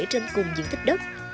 trên cùng diện tích đất